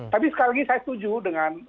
tapi sekali lagi saya setuju dengan